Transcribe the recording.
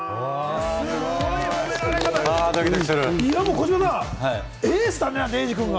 児嶋さん、エースだね、瑛史くんが。